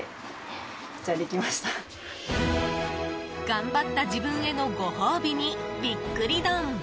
頑張った自分へのご褒美にびっくり丼。